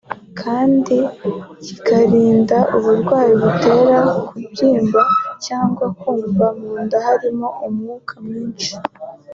kandi kikarinda uburwayi butera kubyimba cyangwa kumva mu nda harimo umwuka mwinshi